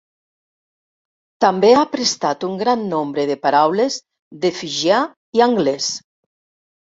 També ha prestat un gran nombre de paraules de fijià i anglès.